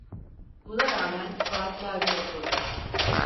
Buna rağmen saatlerce oturdum.